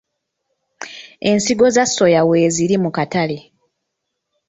Ensigo za soya weeziri mu katale.